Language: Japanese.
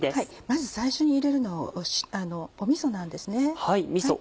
まず最初に入れるのはみそなんですね。